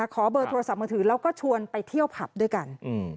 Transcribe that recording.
ขอเบอร์โทรศัพท์มือถือแล้วก็ชวนไปเที่ยวผับด้วยกัน